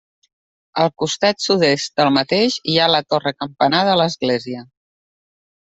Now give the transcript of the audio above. Al costat sud-est del mateix hi ha la torre campanar de l'església.